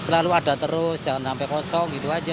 selalu ada terus jangan sampai kosong gitu aja